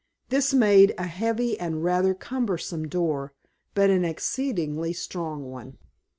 This made a heavy and rather cumbersome door, but an exceedingly strong one.